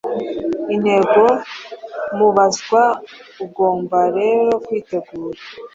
intego mubazwa, ugomba rero kwitegura